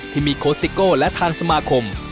ที่มีโคสิโก้และทางสมาคม